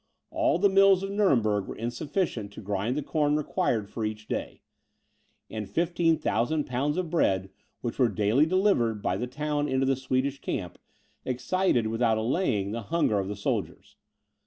All the mills of Nuremberg were insufficient to grind the corn required for each day; and 15,000 pounds of bread, which were daily delivered, by the town into the Swedish camp, excited, without allaying, the hunger of the soldiers.